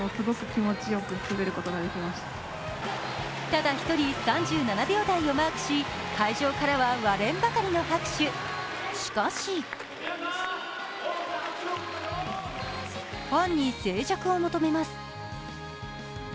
ただ一人３７秒台をマークし会場からは割れんばかりの拍手、しかしファンに静寂を求めます。